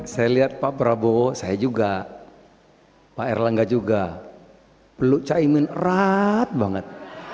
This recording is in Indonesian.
saya lihat pak prabowo saya juga pak erlangga juga peluk caimin erat banget